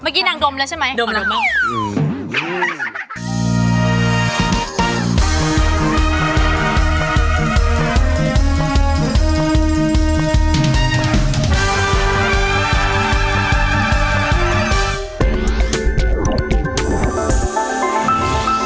เมื่อกี้นางดมแล้วใช่ไหมดมแล้วมั้ง